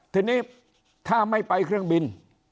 ทีนี้ถ้าไม่ไปเครื่องบิน